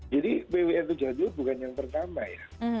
jadi pwn ujt bukan yang pertama ya